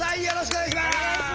お願いします。